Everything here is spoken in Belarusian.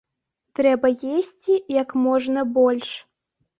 Трэба есці як можна больш.